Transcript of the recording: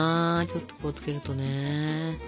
ちょっとこう付けるとね。